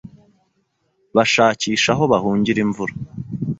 Bashakisha aho bahungira imvura.